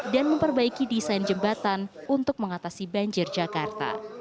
memperbaiki desain jembatan untuk mengatasi banjir jakarta